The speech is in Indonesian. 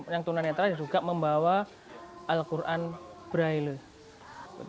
yang tunanetra juga membawa al qur'an braille